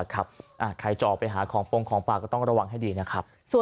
ใครจะออกไปหาของโปรงของป่าก็ต้องระวังให้ดีนะครับ